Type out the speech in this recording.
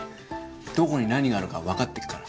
どこに何があるかわかってるから。